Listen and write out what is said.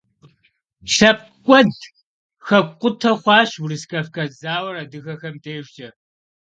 ЛъэпкъкӀуэд, хэкукъутэ хъуащ Урыс-Кавказ зауэр адыгэхэм дежкӀэ.